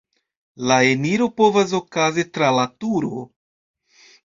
La eniro povas okazi tra la turo.